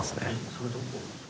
それどこ？